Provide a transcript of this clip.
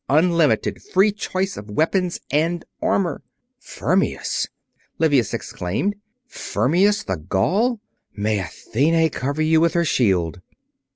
Unlimited. Free choice of weapons and armor." "Fermius!" Livius exclaimed. "Fermius the Gaul? May Athene cover you with her shield!"